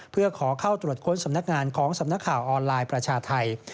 เพื่อขอเข้าตรวจค้นสำนักงานของสำนักข่าวออนไลน์ประชาไทย